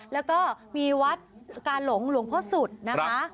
แล้วก็มีวัดกาหลงหลวงพ่อสุดนะคะ